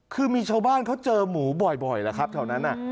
คือมีชาวบ้านเขาเจอหมูบ่อยแถวนั้น